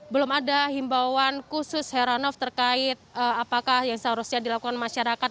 belum ada himbauan khusus heranov terkait apakah yang seharusnya dilakukan masyarakat